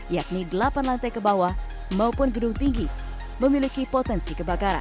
yakni delapan lantai ke bawah maupun gedung tinggi memiliki potensi kebakaran